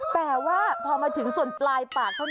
แต่ว่าพอมาถึงส่วนปลายปากเท่านั้น